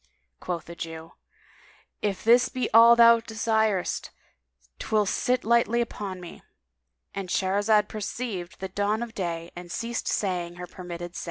'" Quoth the Jew, "If this be all thou desirest 'twill sit lightly upon me." —And Shahrazad perceived the dawn of day and ceased sayi